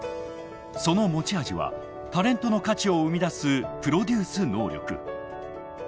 その持ち味はタレントの価値を生み出すプロデュース能力。